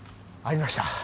ありました。